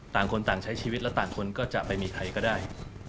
ต่างคนต่างใช้ชีวิตและต่างคนก็จะไปมีใครก็ได้